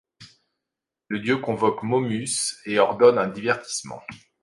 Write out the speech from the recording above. Le dieu convoque Momus et ordonne un divertissement.